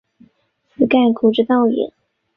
此盖古之道也。